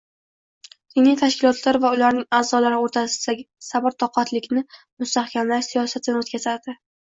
diniy tashkilotlar va ularning a’zolari o’rtasida sabr-toqatlilikni mustahkamlash siyosatini o’tkazadi